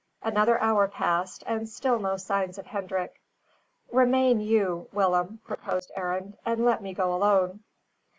Another hour passed and still no signs of Hendrik. "Remain you, Willem," proposed Arend, "and let me go alone."